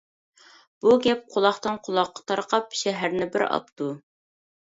بۇ گەپ قۇلاقتىن قۇلاققا تارقاپ شەھەرنى بىر ئاپتۇ.